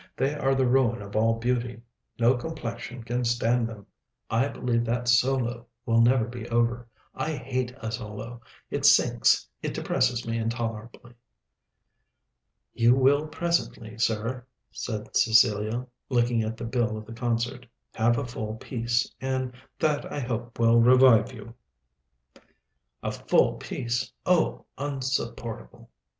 They are the ruin of all beauty; no complexion can stand them. I believe that solo will never be over! I hate a solo; it sinks, it depresses me intolerably." "You will presently, sir," said Cecilia, looking at the bill of the concert, "have a full piece; and that I hope will revive you." "A full piece! oh, insupportable!